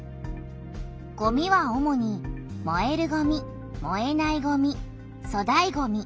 ごみは主にもえるごみもえないごみそだいごみ